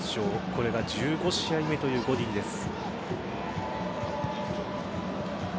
これが１５試合目というゴディンです。